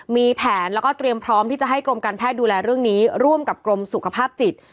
มีแผนแล้วก็เตรียมพร้อมที่จะให้กรมการแพทย์ดูแลเรื่องนี้ร่วมกับกรมสุขภาพจิต